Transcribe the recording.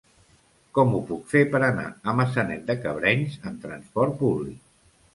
Com ho puc fer per anar a Maçanet de Cabrenys amb trasport públic?